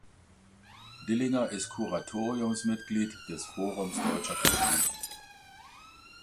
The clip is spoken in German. Dillinger ist Kuratoriumsmitglied des Forums Deutscher Katholiken.